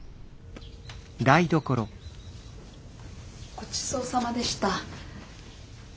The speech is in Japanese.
ごちそうさまでした。